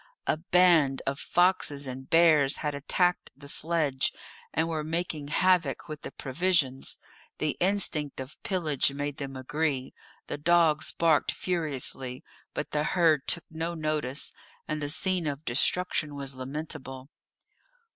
A band of foxes and bears had attacked the sledge, and were making havoc with the provisions. The instinct of pillage made them agree; the dogs barked furiously, but the herd took no notice, and the scene of destruction was lamentable.